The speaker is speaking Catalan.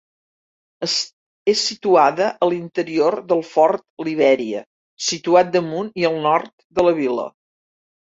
És situada a l'interior del Fort Libèria, situat damunt i al nord de la vila.